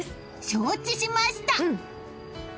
承知しました！